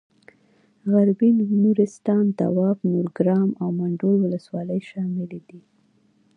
غربي نورستان دواب نورګرام او منډول ولسوالۍ شاملې دي.